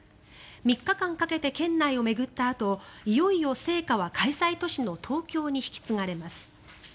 ３日間かけて県内を巡ったあといよいよ聖火は開催都市の東京に引き継がれます。